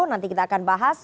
nanti kita akan bahas